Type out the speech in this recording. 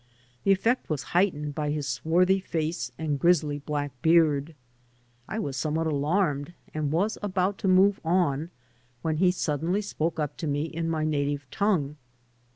The effect was heightened by his swarthy face and grizzly black beard. I was somewhat alarmed, and was about to move on, when he suddenly spoke up to me in my native tongue.